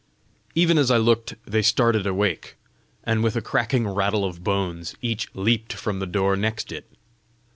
Even as I looked, they started awake, and with a cracking rattle of bones, each leaped from the door next it.